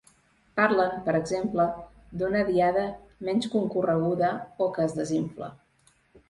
Parlen, per exemple, d’una Diada ‘menys concorreguda’ o que ‘es desinfla’.